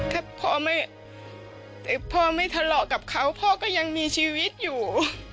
ถ้าพ่อไม่ทะเลาะกับเขาพ่อก็ยังมีชีวิตอยู่